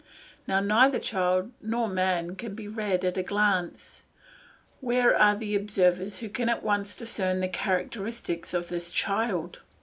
Now neither child nor man can be read at a glance. Where are the observers who can at once discern the characteristics of this child?